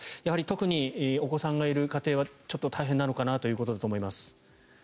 特にお子さんがいる家庭はちょっと大変なのかなということだと思います。